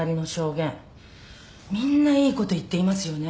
みんないいこと言っていますよね。